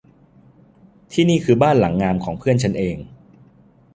ที่นี่คือบ้านหลังงามของเพื่อนฉันเอง